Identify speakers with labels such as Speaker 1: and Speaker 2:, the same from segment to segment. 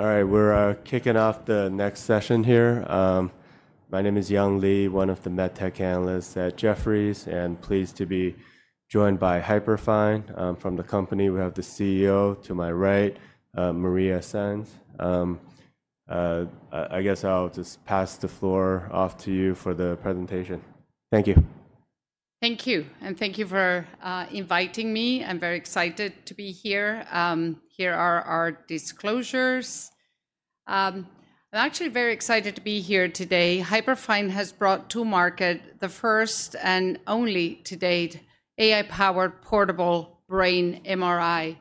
Speaker 1: All right, we're kicking off the next session here. My name is Young Li, one of the med tech analysts at Jefferies, and pleased to be joined by Hyperfine from the company. We have the CEO to my right, Maria Sainz. I guess I'll just pass the floor off to you for the presentation. Thank you.
Speaker 2: Thank you, and thank you for inviting me. I'm very excited to be here. Here are our disclosures. I'm actually very excited to be here today. Hyperfine has brought to market the first and only to date AI-powered portable brain MRI.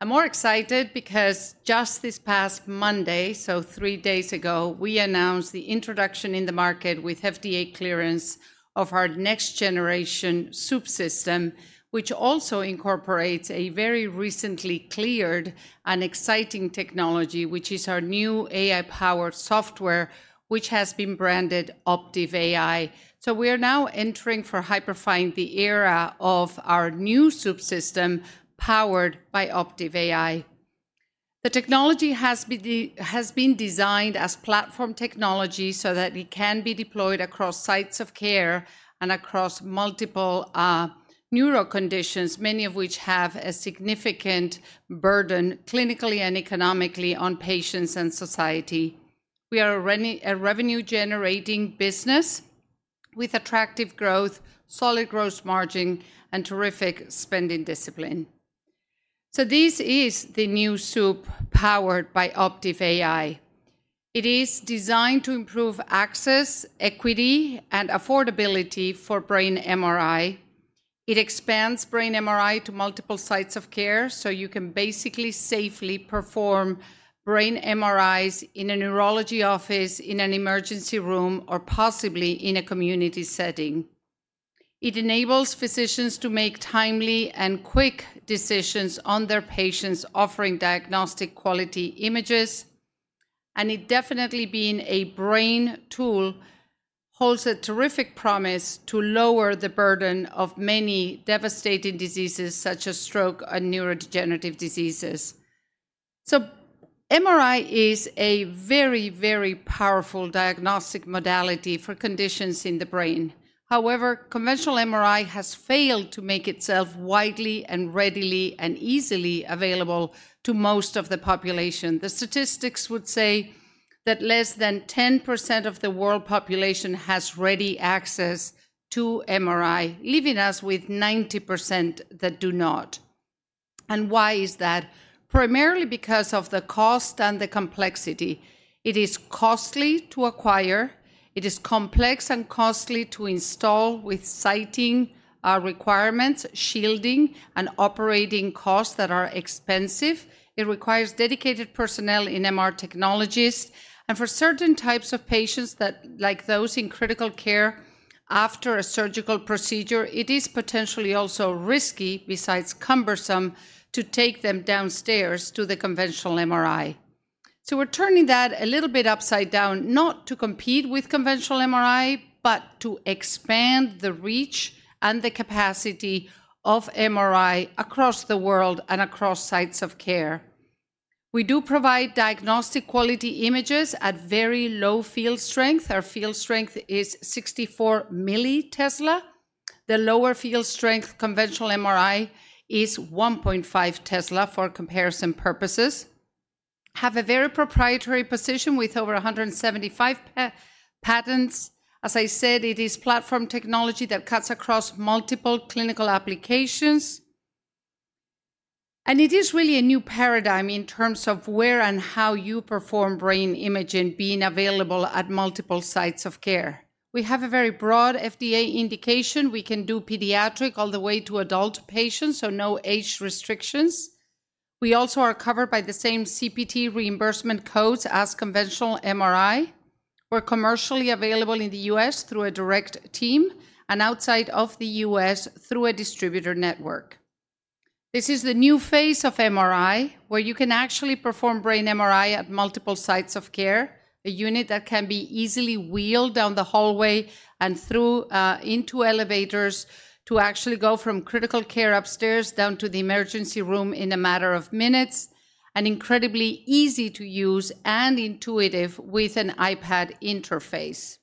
Speaker 2: I'm more excited because just this past Monday, so three days ago, we announced the introduction in the market with FDA clearance of our next generation subsystem, which also incorporates a very recently cleared and exciting technology, which is our new AI-powered software, which has been branded Optiv AI. We are now entering for Hyperfine the era of our new subsystem powered by Optiv AI. The technology has been designed as platform technology so that it can be deployed across sites of care and across multiple neuro conditions, many of which have a significant burden clinically and economically on patients and society. We are a revenue-generating business with attractive growth, solid gross margin, and terrific spending discipline. This is the new Swoop powered by Optiv AI. It is designed to improve access, equity, and affordability for brain MRI. It expands brain MRI to multiple sites of care, so you can basically safely perform brain MRIs in a neurology office, in an emergency room, or possibly in a community setting. It enables physicians to make timely and quick decisions on their patients, offering diagnostic quality images. It definitely, being a brain tool, holds a terrific promise to lower the burden of many devastating diseases such as stroke and neurodegenerative diseases. MRI is a very, very powerful diagnostic modality for conditions in the brain. However, conventional MRI has failed to make itself widely and readily and easily available to most of the population. The statistics would say that less than 10% of the world population has ready access to MRI, leaving us with 90% that do not. Why is that? Primarily because of the cost and the complexity. It is costly to acquire. It is complex and costly to install with siting requirements, shielding, and operating costs that are expensive. It requires dedicated personnel in MR technologies. For certain types of patients, like those in critical care after a surgical procedure, it is potentially also risky, besides cumbersome, to take them downstairs to the conventional MRI. We're turning that a little bit upside down, not to compete with conventional MRI, but to expand the reach and the capacity of MRI across the world and across sites of care. We do provide diagnostic quality images at very low field strength. Our field strength is 64 milli-Tesla. The lower field strength conventional MRI is 1.5 Tesla for comparison purposes. Have a very proprietary position with over 175 patents. As I said, it is platform technology that cuts across multiple clinical applications. It is really a new paradigm in terms of where and how you perform brain imaging being available at multiple sites of care. We have a very broad FDA indication. We can do pediatric all the way to adult patients, so no age restrictions. We also are covered by the same CPT reimbursement codes as conventional MRI. We are commercially available in the US through a direct team and outside of the US through a distributor network. This is the new phase of MRI where you can actually perform brain MRI at multiple sites of care, a unit that can be easily wheeled down the hallway and through into elevators to actually go from critical care upstairs down to the emergency room in a matter of minutes. It is incredibly easy to use and intuitive with an iPad interface.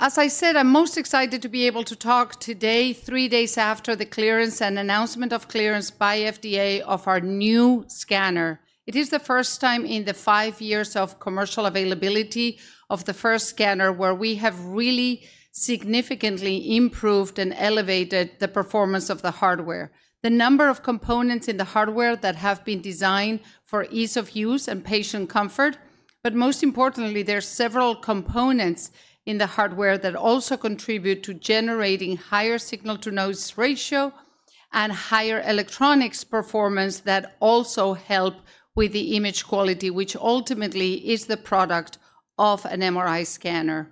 Speaker 2: As I said, I'm most excited to be able to talk today, three days after the clearance and announcement of clearance by FDA of our new scanner. It is the first time in the five years of commercial availability of the first scanner where we have really significantly improved and elevated the performance of the hardware. The number of components in the hardware that have been designed for ease of use and patient comfort, but most importantly, there are several components in the hardware that also contribute to generating higher signal-to-noise ratio and higher electronics performance that also help with the image quality, which ultimately is the product of an MRI scanner.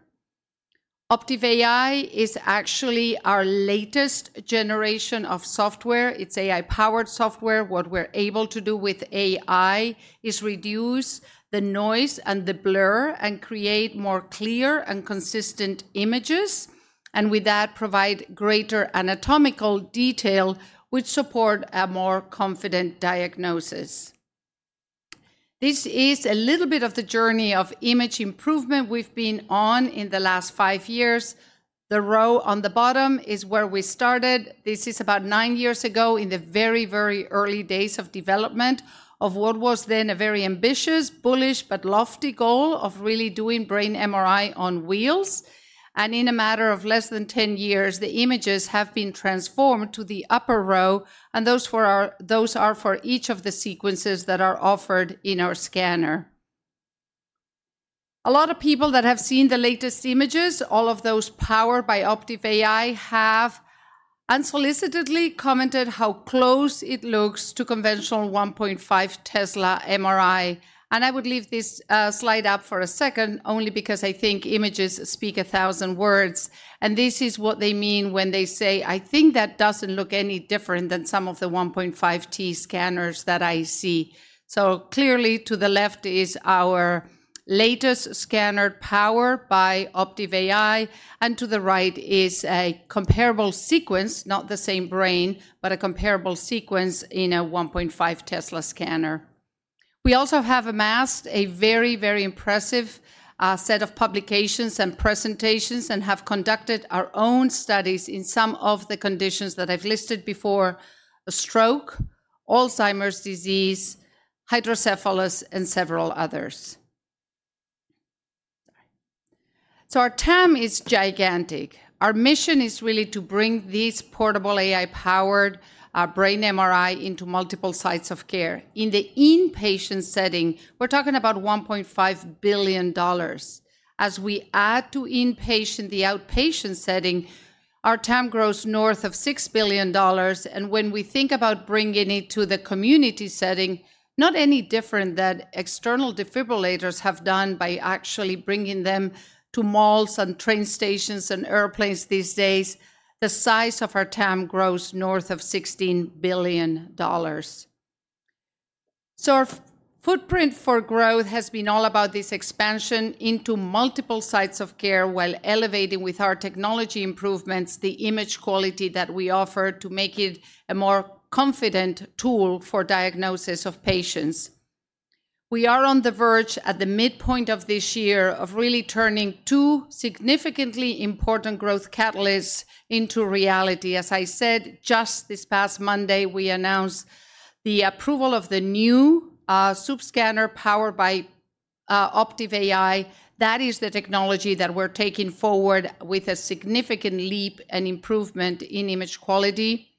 Speaker 2: Optiv AI is actually our latest generation of software. It's AI-powered software. What we're able to do with AI is reduce the noise and the blur and create more clear and consistent images, and with that provide greater anatomical detail which support a more confident diagnosis. This is a little bit of the journey of image improvement we've been on in the last five years. The row on the bottom is where we started. This is about nine years ago in the very, very early days of development of what was then a very ambitious, bullish, but lofty goal of really doing brain MRI on wheels. In a matter of less than 10 years, the images have been transformed to the upper row, and those are for each of the sequences that are offered in our scanner. A lot of people that have seen the latest images, all of those powered by Optiv AI, have unsolicitedly commented how close it looks to conventional 1.5 Tesla MRI. I would leave this slide up for a second only because I think images speak a thousand words. This is what they mean when they say, "I think that doesn't look any different than some of the 1.5T scanners that I see." Clearly to the left is our latest scanner powered by Optiv AI, and to the right is a comparable sequence, not the same brain, but a comparable sequence in a 1.5 Tesla scanner. We also have amassed a very, very impressive set of publications and presentations and have conducted our own studies in some of the conditions that I've listed before: stroke, Alzheimer's disease, hydrocephalus, and several others. Our TAM is gigantic. Our mission is really to bring this portable AI-powered brain MRI into multiple sites of care. In the inpatient setting, we're talking about $1.5 billion. As we add to inpatient, the outpatient setting, our TAM grows north of $6 billion. When we think about bringing it to the community setting, not any different than external defibrillators have done by actually bringing them to malls and train stations and airplanes these days, the size of our TAM grows north of $16 billion. Our footprint for growth has been all about this expansion into multiple sites of care while elevating with our technology improvements the image quality that we offer to make it a more confident tool for diagnosis of patients. We are on the verge at the midpoint of this year of really turning two significantly important growth catalysts into reality. As I said, just this past Monday, we announced the approval of the new subscanner powered by Optiv AI. That is the technology that we are taking forward with a significant leap and improvement in image quality.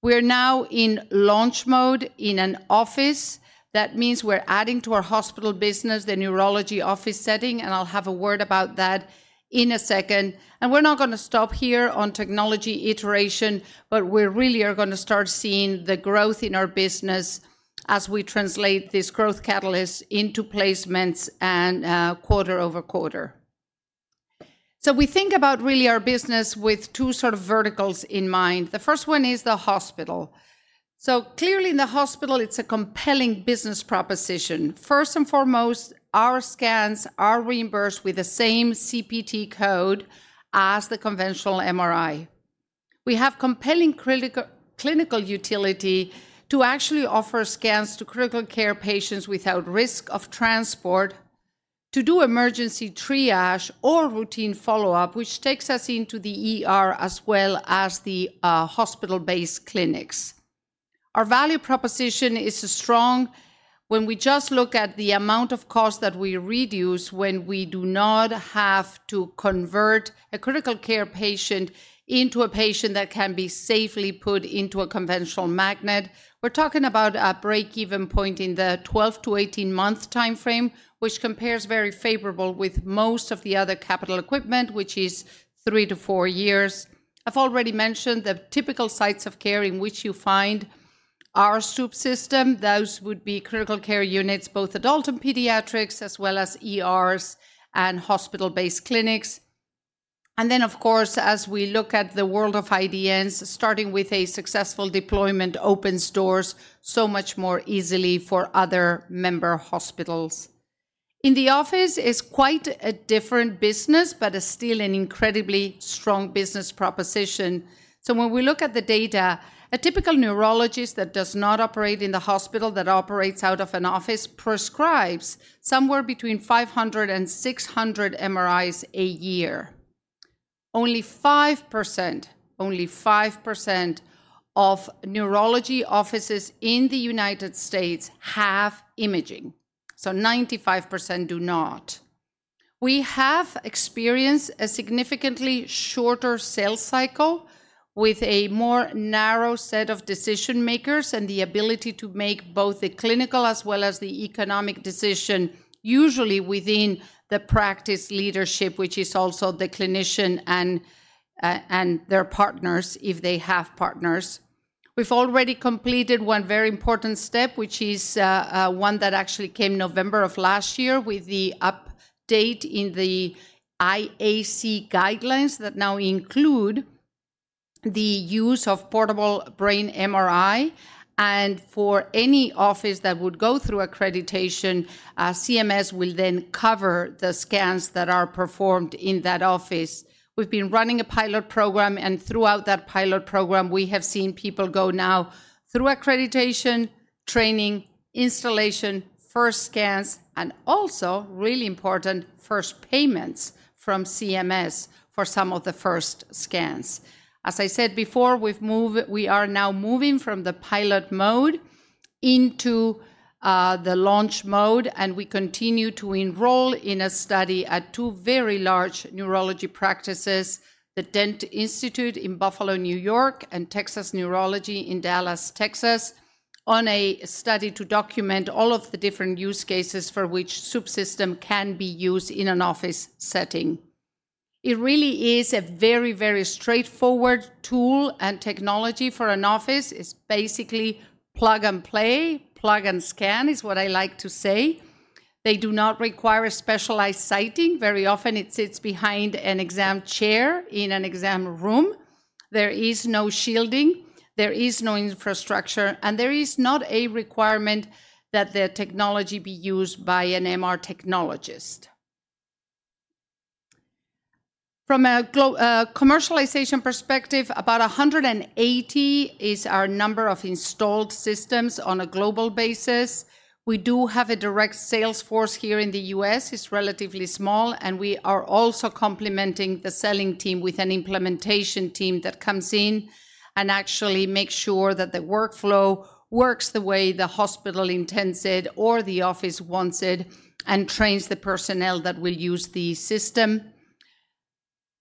Speaker 2: We are now in launch mode in an office. That means we're adding to our hospital business, the neurology office setting, and I'll have a word about that in a second. We're not going to stop here on technology iteration, but we really are going to start seeing the growth in our business as we translate this growth catalyst into placements and quarter over quarter. We think about really our business with two sort of verticals in mind. The first one is the hospital. Clearly in the hospital, it's a compelling business proposition. First and foremost, our scans are reimbursed with the same CPT code as the conventional MRI. We have compelling clinical utility to actually offer scans to critical care patients without risk of transport to do emergency triage or routine follow-up, which takes us into the as well as the hospital-based clinics. Our value proposition is strong when we just look at the amount of cost that we reduce when we do not have to convert a critical care patient into a patient that can be safely put into a conventional magnet. We're talking about a break-even point in the 12-18 month timeframe, which compares very favorably with most of the other capital equipment, which is three to four years. I've already mentioned the typical sites of care in which you find our Swoop system. Those would be critical care units, both adult and pediatrics, as well as ERs and hospital-based clinics. Of course, as we look at the world of IDNs, starting with a successful deployment opens doors so much more easily for other member hospitals. In the office, it's quite a different business, but it's still an incredibly strong business proposition. When we look at the data, a typical neurologist that does not operate in the hospital, that operates out of an office, prescribes somewhere between 500-600 MRIs a year. Only 5% of neurology offices in the United States have imaging, so 95% do not. We have experienced a significantly shorter sales cycle with a more narrow set of decision makers and the ability to make both the clinical as well as the economic decision, usually within the practice leadership, which is also the clinician and their partners if they have partners. We've already completed one very important step, which is one that actually came November of last year with the update in the IAC guidelines that now include the use of portable brain MRI. For any office that would go through accreditation, CMS will then cover the scans that are performed in that office. We've been running a pilot program, and throughout that pilot program, we have seen people go now through accreditation, training, installation, first scans, and also, really important, first payments from CMS for some of the first scans. As I said before, we are now moving from the pilot mode into the launch mode, and we continue to enroll in a study at two very large neurology practices, the Dent Neurologic Institute in Buffalo, New York, and Texas Neurology in Dallas, Texas, on a study to document all of the different use cases for which Swoop system can be used in an office setting. It really is a very, very straightforward tool and technology for an office. It's basically plug and play, plug and scan is what I like to say. They do not require a specialized siting. Very often, it sits behind an exam chair in an exam room. There is no shielding. There is no infrastructure, and there is not a requirement that the technology be used by an MR technologist. From a commercialization perspective, about 180 is our number of installed systems on a global basis. We do have a direct sales force here in the U.S. It's relatively small, and we are also complementing the selling team with an implementation team that comes in and actually makes sure that the workflow works the way the hospital intends it or the office wants it and trains the personnel that will use the system.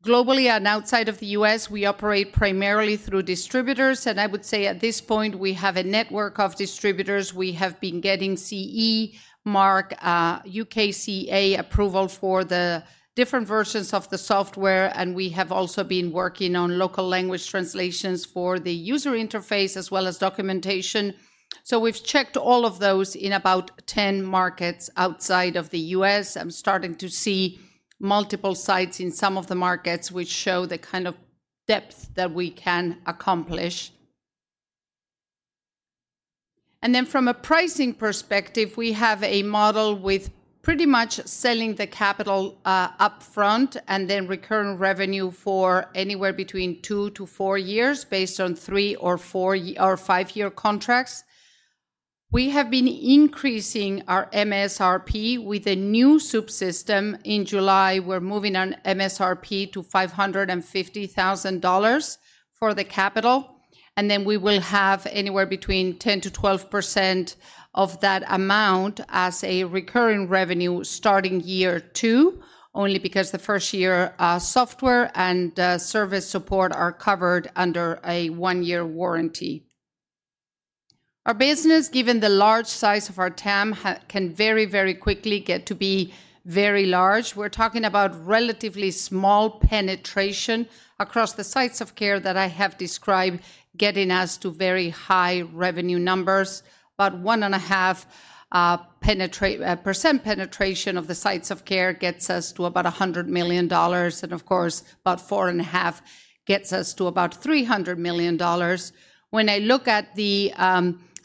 Speaker 2: Globally and outside of the U.S., we operate primarily through distributors. I would say at this point, we have a network of distributors. We have been getting CE Mark, UKCA approval for the different versions of the software, and we have also been working on local language translations for the user interface as well as documentation. We have checked all of those in about 10 markets outside of the U.S. I'm starting to see multiple sites in some of the markets which show the kind of depth that we can accomplish. From a pricing perspective, we have a model with pretty much selling the capital upfront and then recurring revenue for anywhere between two-four years based on three or five-year contracts. We have been increasing our MSRP with a new Swoop system. In July, we're moving our MSRP to $550,000 for the capital. We will have anywhere between 10-12% of that amount as a recurring revenue starting year two, only because the first year software and service support are covered under a one-year warranty. Our business, given the large size of our TAM, can very, very quickly get to be very large. We're talking about relatively small penetration across the sites of care that I have described getting us to very high revenue numbers. About 1.5% penetration of the sites of care gets us to about $100 million. Of course, about 4.5% gets us to about $300 million. When I look at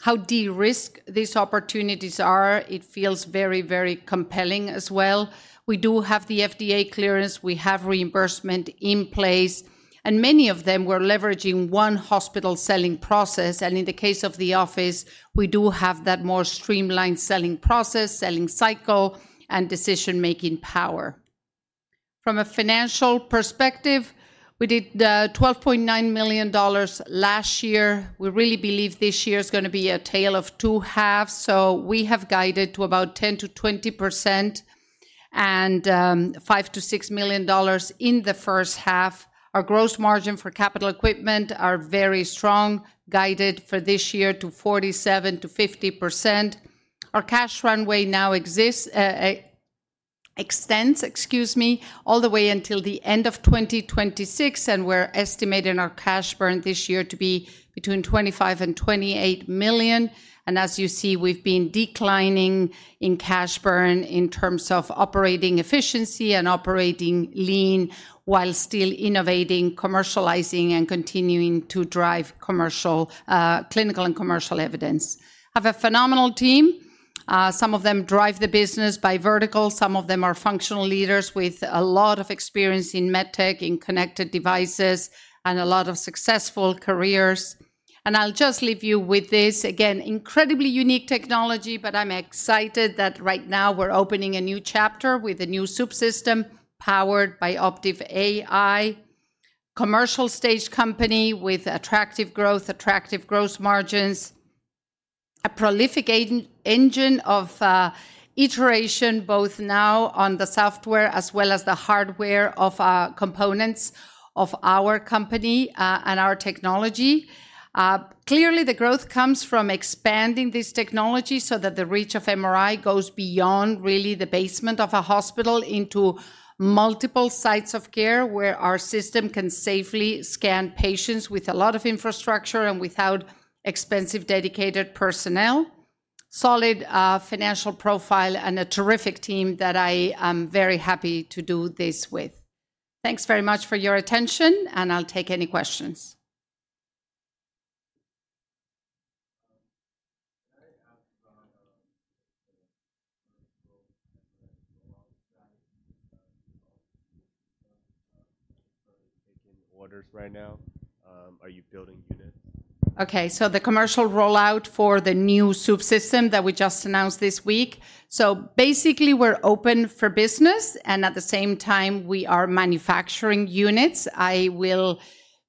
Speaker 2: how de-risked these opportunities are, it feels very, very compelling as well. We do have the FDA clearance. We have reimbursement in place. Many of them were leveraging one hospital selling process. In the case of the office, we do have that more streamlined selling process, selling cycle, and decision-making power. From a financial perspective, we did $12.9 million last year. We really believe this year is going to be a tale of two halves. We have guided to about 10%-20% and $5-$6 million in the first half. Our gross margin for capital equipment are very strong, guided for this year to 47%-50%. Our cash runway now extends, excuse me, all the way until the end of 2026. We are estimating our cash burn this year to be between $25-$28 million. As you see, we have been declining in cash burn in terms of operating efficiency and operating lean while still innovating, commercializing, and continuing to drive clinical and commercial evidence. I have a phenomenal team. Some of them drive the business by vertical. Some of them are functional leaders with a lot of experience in medtech, in connected devices, and a lot of successful careers. I'll just leave you with this. Again, incredibly unique technology, but I'm excited that right now we're opening a new chapter with a new Swoop system powered by Optiv AI, commercial stage company with attractive growth, attractive gross margins, a prolific engine of iteration both now on the software as well as the hardware of components of our company and our technology. Clearly, the growth comes from expanding this technology so that the reach of MRI goes beyond really the basement of a hospital into multiple sites of care where our system can safely scan patients with a lot of infrastructure and without expensive dedicated personnel. Solid financial profile and a terrific team that I am very happy to do this with. Thanks very much for your attention, and I'll take any questions. Are you building units? Okay. The commercial rollout for the new Swoop system that we just announced this week, basically, we're open for business, and at the same time, we are manufacturing units. I will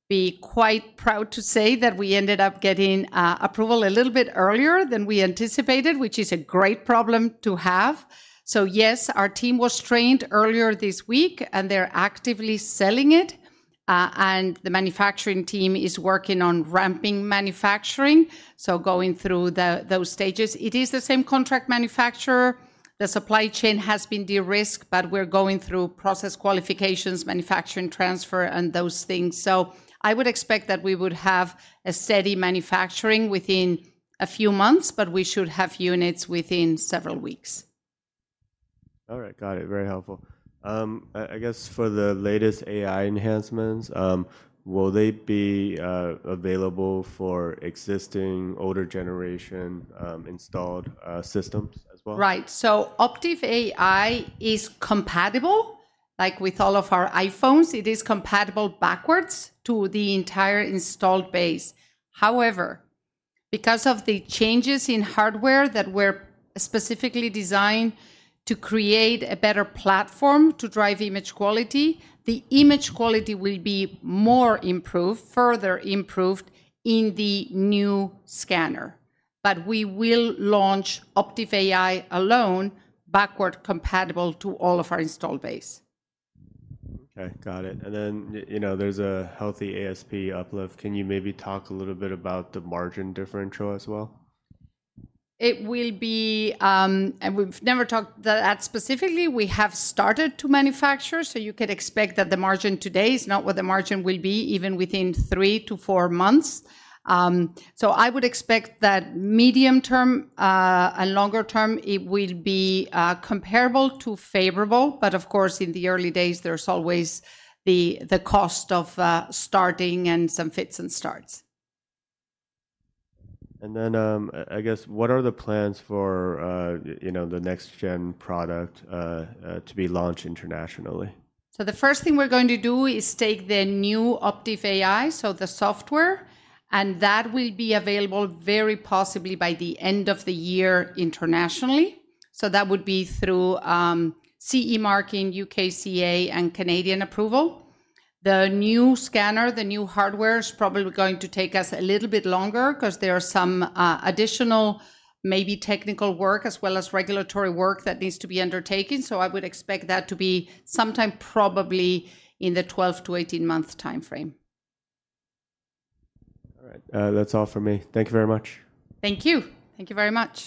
Speaker 2: be quite proud to say that we ended up getting approval a little bit earlier than we anticipated, which is a great problem to have. Yes, our team was trained earlier this week, and they're actively selling it. The manufacturing team is working on ramping manufacturing, going through those stages. It is the same contract manufacturer. The supply chain has been de-risked, but we're going through process qualifications, manufacturing transfer, and those things. I would expect that we would have a steady manufacturing within a few months, but we should have units within several weeks. All right. Got it. Very helpful. I guess for the latest AI enhancements, will they be available for existing older generation installed systems as well? Right. Optiv AI is compatible with all of our Swoop systems. It is compatible backwards to the entire installed base. However, because of the changes in hardware that were specifically designed to create a better platform to drive image quality, the image quality will be more improved, further improved in the new scanner. We will launch Optiv AI alone, backward compatible to all of our installed base.
Speaker 1: Okay. Got it. And then there's a healthy ASP uplift. Can you maybe talk a little bit about the margin differential as well?
Speaker 2: It will be, and we've never talked that specifically. We have started to manufacture, so you could expect that the margin today is not what the margin will be even within three to four months. I would expect that medium term and longer term, it will be comparable to favorable. Of course, in the early days, there's always the cost of starting and some fits and starts. I guess, what are the plans for the next-gen product to be launched internationally? The first thing we're going to do is take the new Optiv AI, so the software, and that will be available very possibly by the end of the year internationally. That would be through CE Mark, UKCA, and Canadian approval. The new scanner, the new hardware is probably going to take us a little bit longer because there are some additional maybe technical work as well as regulatory work that needs to be undertaken. I would expect that to be sometime probably in the 12-18 month timeframe. All right. That's all for me. Thank you very much. Thank you. Thank you very much.